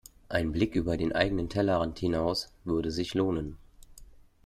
Ein Blick über den eigenen Tellerrand hinaus würde sich lohnen.